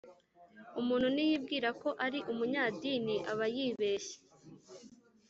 Umuntu niyibwira ko ari umunyadini ab yibeshye